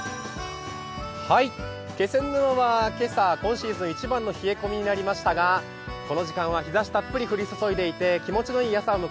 気仙沼は今朝、今シーズン一番の冷え込みになりましたが、この時間は日ざしがたっぷり降り注いでいて気持ちいいです。